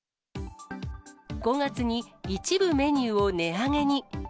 ５月に一部メニューを値上げに。